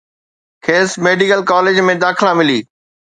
کيس medical college ۾ داخلا ملي